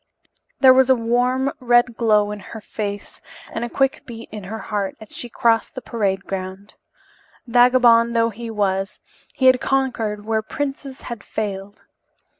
There was a warm, red glow in her face and a quick beat in her heart as she crossed the parade ground. Vagabond though he was, he had conquered where princes had failed.